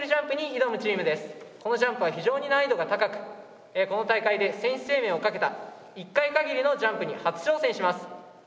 このジャンプは非常に難易度が高くこの大会で選手生命を懸けた１回かぎりのジャンプに初挑戦します。